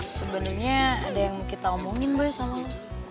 sebenernya ada yang kita omongin boleh sama lo